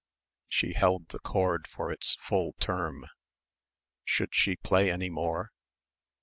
She held the chord for its full term.... Should she play any more?...